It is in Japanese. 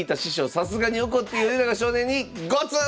さすがに怒って米長少年にゴツン！